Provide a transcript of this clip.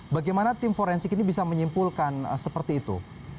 bagaimana tim forensik ini bisa menyimpulkan seperti itu